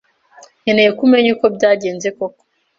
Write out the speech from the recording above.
nkeneye ko umenya uko byagenze koko.